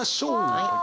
はい。